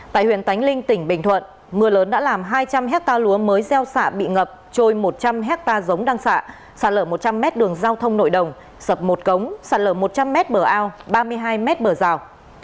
tại huyện tánh linh tỉnh bình thuận mưa lớn đã làm hai trăm linh hectare lúa mới gieo xạ bị ngập trôi một trăm linh hectare giống đang xạ sạt lở một trăm linh mét đường giao thông nội đồng sập một cống sạt lở một trăm linh m bờ ao ba mươi hai mét bờ rào